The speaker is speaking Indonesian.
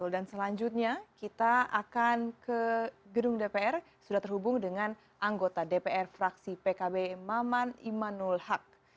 dan selanjutnya kita akan ke gedung dpr sudah terhubung dengan anggota dpr fraksi pkb maman imanul haq